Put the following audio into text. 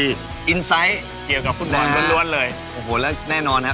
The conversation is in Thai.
เกี่ยวกับวิวเท้า